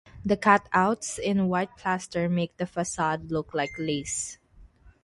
The cutouts in white plaster make the facade look like lace.